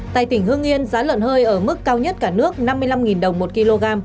tại tỉnh hương yên giá lợn hơi ở mức cao nhất cả nước năm mươi năm đồng một kg